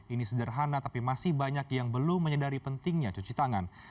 ini sederhana tapi masih banyak yang belum menyadari pentingnya cuci tangan